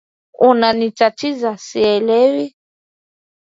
Unanitatiza sielewi